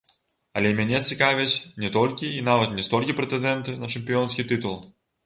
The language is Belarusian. Але мяне цікавяць не толькі і нават не столькі прэтэндэнты на чэмпіёнскі тытул.